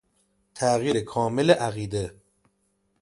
تغییر کامل عقیده